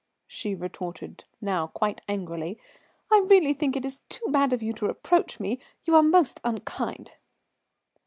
she retorted, now quite angrily. "I really think it is too bad of you to reproach me. You are most unkind."